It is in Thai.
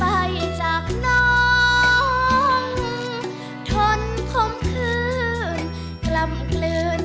แล้วหลายจะสู้กับแก